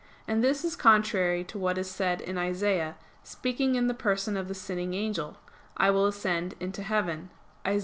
And this is contrary to what is said in Isaias, speaking in the person of the sinning angel: "I will ascend into heaven" (Isa.